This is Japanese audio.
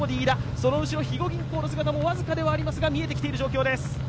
その後ろ、肥後銀行の姿もわずかではありますが見えてきています。